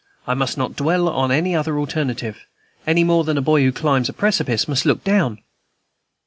I must not dwell on any other alternative, any more than a boy who climbs a precipice must look down.